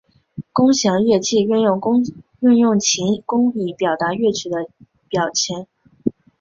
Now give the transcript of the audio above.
弓弦乐器运用琴弓以表达乐曲的表情。